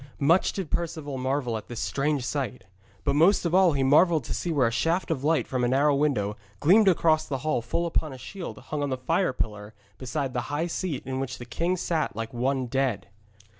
Much did Perceval marvel at this strange sight, but most of all he marvelled to see where a shaft of light from a narrow window gleamed across the hall full upon a shield hung on the fire pillar beside the high seat in which the king sat like one dead.